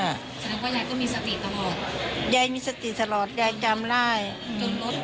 แสดงว่ายายก็มีสติตลอดยายมีสติตลอดยายจำได้จนลด